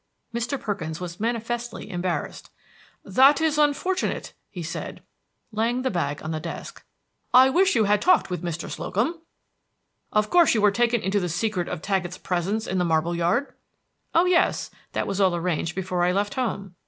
Mr. Perkins was manifestly embarrassed. "That is unfortunate," he said, laying the bag on the desk. "I wish you had talked with Mr. Slocum. Of course you were taken into the secret of Taggett's presence in the marble yard?" "Oh, yes; that was all arranged before I left home."